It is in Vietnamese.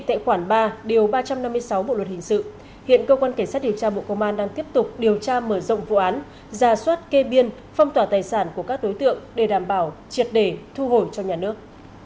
tại khoản ba điều ba trăm năm mươi sáu bộ luật hình sự hiện cơ quan cảnh sát điều tra bộ công an đang tiếp tục điều tra mở rộng vụ án giả soát kê biên phong tỏa tài sản của các đối tượng để đảm bảo triệt để thu hồi cho nhà nước